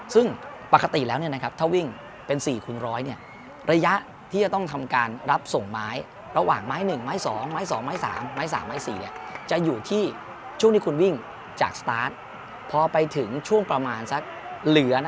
ซึ่งปกติแล้วเนี่ยนะครับถ้าวิ่งเป็น๔